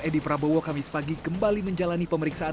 edi prabowo kamis pagi kembali menjalani pemeriksaan